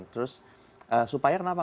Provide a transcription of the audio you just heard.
terus supaya kenapa